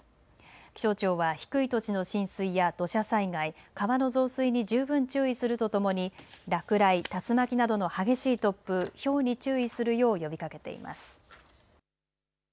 気象庁は低い土地の浸水や土砂災害、川の増水に十分注意するとともに落雷、竜巻などの激しい突風、ひょうに注意するよう呼びかけています。